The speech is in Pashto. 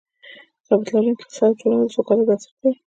ثبات لرونکی اقتصاد، د ټولنې د سوکالۍ بنسټ دی